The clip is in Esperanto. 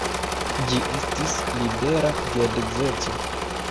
Ĝi estis "libera geedzeco".